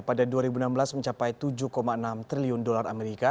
pada dua ribu enam belas mencapai tujuh enam triliun dolar amerika